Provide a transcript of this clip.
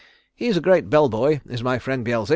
He's a great bell boy, is my friend Beelzy."